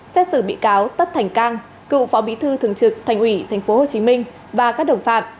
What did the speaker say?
xét xử bị cáo tất thành cang cựu phó bí thư thường trực thành ủy tp hcm và các đồng phạm